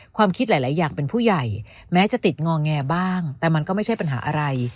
ความคิดหลายอย่างเป็นผู้ใหญ่แม้จะติดงอแงบ้างแต่มันก็ไม่ใช่ปัญหาอะไร